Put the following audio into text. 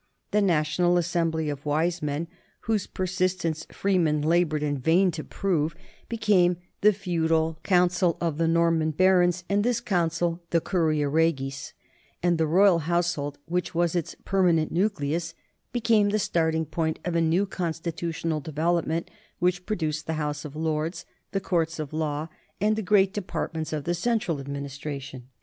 The national assembly of wise men, whose persistence Freeman labored in vain to prove, became the feudal 1 Stubbs, Benedict of Peterborough, n, p. xxxv. THE NORMAN EMPIRE 103 council of the Norman barons, and this council, the curia regis, and the royal household which was its per manent nucleus, became the starting point of a new constitutional development which produced the House of Lords, the courts of law, and the great departments of the central administration.